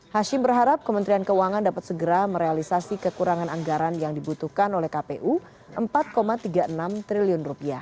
hashim berharap kementerian keuangan dapat segera merealisasi kekurangan anggaran yang dibutuhkan oleh kpu rp empat tiga puluh enam triliun